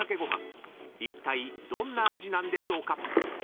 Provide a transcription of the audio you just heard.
［いったいどんな味なんでしょうか？］